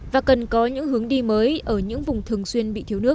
và cần có những hướng đi mới ở những vùng thường xuyên bị thiếu nước